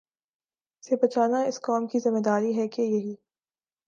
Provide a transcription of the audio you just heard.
سے بچانا اس قوم کی ذمہ داری ہے کہ یہی